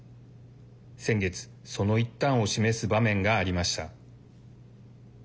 先月、その一端を示す場面がありました。